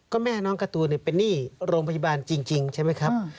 ก็แม่น้องการ์ตูนเป็นหนี้โรงพยาบาลจริงใช่ไหมครับ